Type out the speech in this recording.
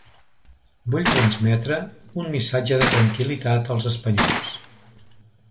Vull transmetre un missatge de tranquil·litat als espanyols.